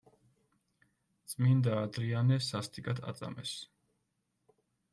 წმინდა ადრიანე სასტიკად აწამეს.